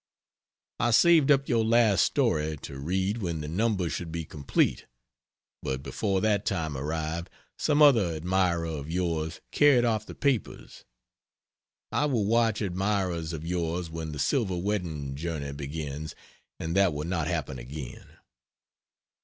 I saved up your last story to read when the numbers should be complete, but before that time arrived some other admirer of yours carried off the papers. I will watch admirers of yours when the Silver Wedding journey begins, and that will not happen again.